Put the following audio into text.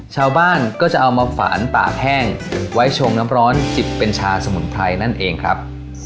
ชาวบ้านก็จะเอามาฝานปากแห้งไว้ชงน้ำร้อนจิบเป็นชาสมุนไพรนั่นเองครับ